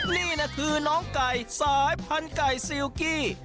นี่นะคือน้องไก่สายพันธุ์ไก่ซิลกี้